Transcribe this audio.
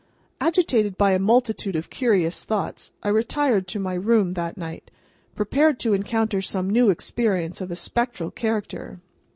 Agitated by a multitude of curious thoughts, I retired to my room, that night, prepared to encounter some new experience of a spectral character.